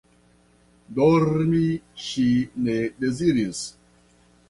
Dormi ŝi ne deziris.